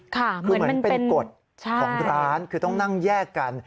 คือเหมือนเป็นกฎของร้านคือต้องนั่งแยกกัน